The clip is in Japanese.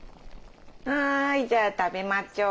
はいじゃあ食べまちょう。